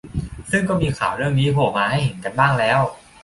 ซึ่งก็มีข่าวเรื่องนี้โผล่มาให้เห็นกันบ้างแล้ว